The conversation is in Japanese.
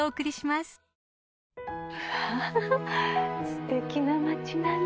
すてきな町並み。